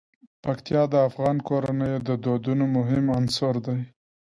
پکتیا د افغان کورنیو د دودونو مهم عنصر دی.